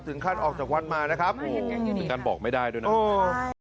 ถึงขั้นออกจากวันมานะครับเป็นการบอกไม่ได้ด้วยนะครับ